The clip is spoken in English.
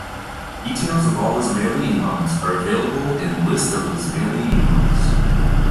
Details of all Ismaili imams are available in List of Ismaili Imams.